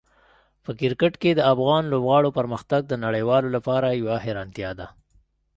په کرکټ کې د افغان لوبغاړو پرمختګ د نړیوالو لپاره یوه حیرانتیا ده.